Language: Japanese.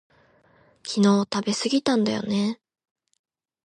昨日食べすぎたんだよね